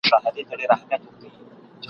ستا په لار کي مي اوبه کړل په تڼاکو رباتونه ..